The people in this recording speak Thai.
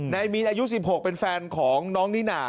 นายเมีนอายุสิบหกเป็นแฟนของน้องนีนา